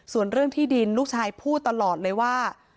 ส่วนเรื่องที่ดินลูกชายพูดตลอดเลยว่า